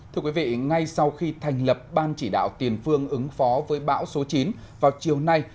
thưa quý vị ngay sau khi thành lập ban chỉ đạo tiền phương ứng phó với bão số chín vào chiều nay